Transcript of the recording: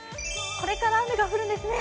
これから雨が降るんですね。